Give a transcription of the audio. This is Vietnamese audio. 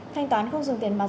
thanh toán không dùng tiền mặt